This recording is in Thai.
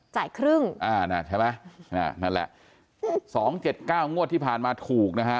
ครึ่งอ่าน่ะใช่ไหมนั่นแหละสองเจ็ดเก้างวดที่ผ่านมาถูกนะฮะ